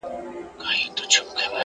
مهرباني د زړونو واټن ختموي.!